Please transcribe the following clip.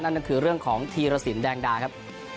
นั่นก็คือเรื่องของธีรสินแดงดาครับ